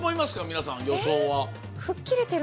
皆さん予想は。